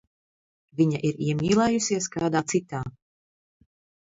Viņa ir iemīlējusies kādā citā.